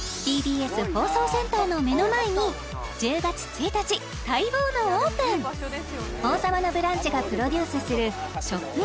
ＴＢＳ放送センターの目の前に１０月１日待望のオープン「王様のブランチ」がプロデュースするショップ